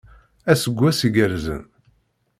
Aseggas iggerzen!